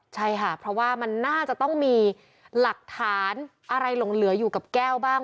ใช่ค่ะเพราะว่ามันน่าจะต้องมีหลักฐานอะไรหลงเหลืออยู่กับแก้วบ้าง